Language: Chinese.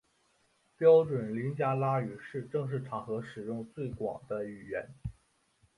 标准林加拉语是正式场合使用最广的语言。